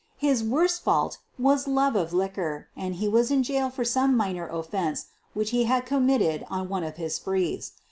His worst fault was love of liquor and he was in jail for some minor offense which he had committed on one of his sprees.